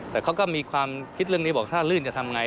แต่เขาก็มีความคิดเรื่องนี้บอกถ้าลื่นจะทำไง